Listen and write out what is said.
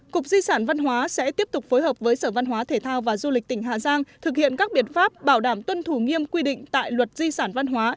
cục di sản văn hóa sẽ tiếp tục phối hợp với sở văn hóa thể thao và du lịch tỉnh hà giang thực hiện các biện pháp bảo đảm tuân thủ nghiêm quy định tại luật di sản văn hóa